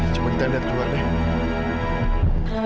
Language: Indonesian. coba kita liat keluar deh